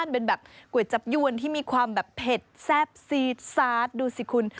เป็นแบบก๋วยจับยวนที่มีความแบบเผ็ดแซ่บซีดซาสดูสิคุณ